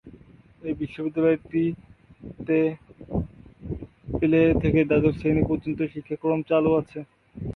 এ বিদ্যালয়টিতে প্লে থেকে দ্বাদশ শ্রেনি পর্যন্ত কার্যক্রম চালু আছে।